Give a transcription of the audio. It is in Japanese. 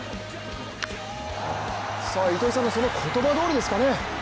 糸井さんの言葉どおりですかね。